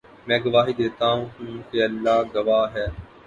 میں گواہی دیتا ہوں کہ اللہ گواہ ہے